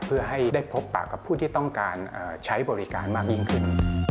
เพื่อให้ได้พบปากกับผู้ที่ต้องการใช้บริการมากยิ่งขึ้น